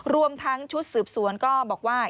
รวมทั้งชุดสืบสวนก็บอกว่า